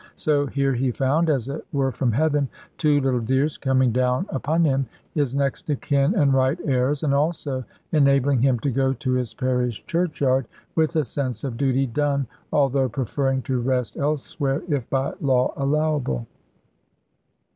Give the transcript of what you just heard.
So here he found, as it were from heaven, two little dears coming down upon him, his next of kin and right heirs, and also enabling him to go to his parish churchyard, with a sense of duty done, although preferring to rest elsewhere, if by law allowable.